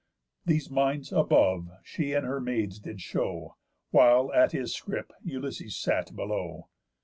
These minds, above, she and her maids did show, While, at his scrip, Ulysses sat below.